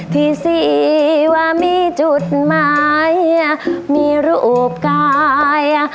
ที่สิว่ามีจุดหมายมีรูปกาย